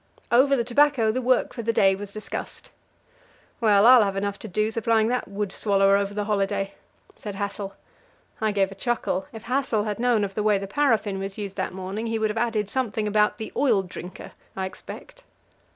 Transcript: Over the tobacco the work for the day was discussed. "Well, I'll have enough to do supplying that woodswallower over the holiday," said Hassel. I gave a chuckle. If Hassel had known of the way the paraffin was used that morning, he would have added something about the "oil drinker," I expect.